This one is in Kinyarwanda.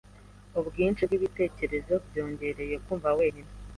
ubwinshi bwibitekerezo byongereye kumva wenyine.